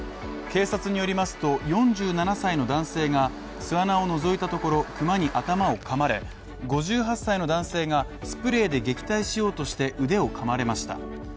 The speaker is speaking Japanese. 警察によりますと、４７歳の男性が巣穴をのぞいたところ、熊に頭をかまれ５８歳の男性がスプレーで撃退しようとして腕をかまれました。